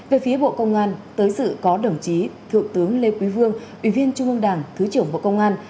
về phía bộ công an tới dự có đồng chí thượng tướng lê quý vương ủy viên trung ương đảng thứ trưởng bộ công an